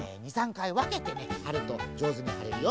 かいわけてねはるとじょうずにはれるよ。